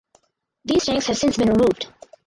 These tanks have since been removed.